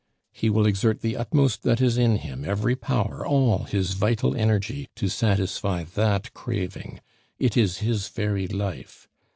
He will exert the utmost that is in him, every power, all his vital energy, to satisfy that craving; it is his very life.